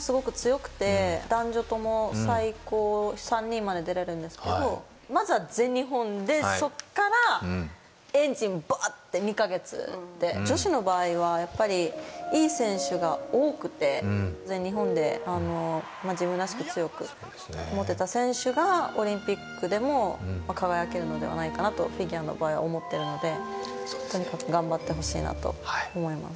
すごく強くて男女とも最高３人まで出れるんですけどまずは全日本でそこからエンジンバーッて２カ月で女子の場合はやっぱりいい選手が多くて全日本で自分らしく強く保てた選手がオリンピックでも輝けるのではないかなとフィギュアの場合は思ってるのでとにかく頑張ってほしいなと思います